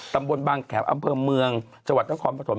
ตำบลบางแขมอำเภอเมืองจังหวัดนักความประถม